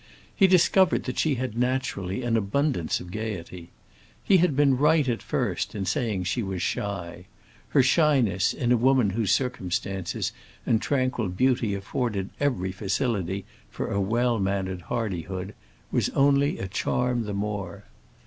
He discovered that she had naturally an abundance of gaiety. He had been right at first in saying she was shy; her shyness, in a woman whose circumstances and tranquil beauty afforded every facility for well mannered hardihood, was only a charm the more.